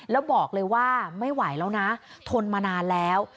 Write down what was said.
แล้วบอกเลยว่าไม่ไหวแล้วนะทนมานานแล้ว